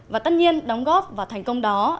và tất nhiên đóng góp và thành công đó